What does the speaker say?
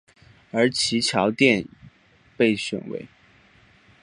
而其桥殿被选为。